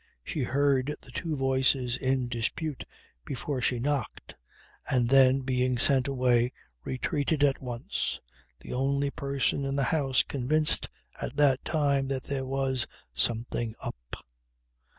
She heard the two voices in dispute before she knocked, and then being sent away retreated at once the only person in the house convinced at that time that there was "something up."